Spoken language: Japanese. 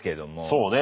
そうね。